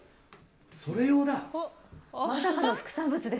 それ用だ。